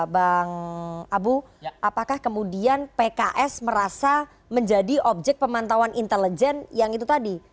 bang abu apakah kemudian pks merasa menjadi objek pemantauan intelijen yang itu tadi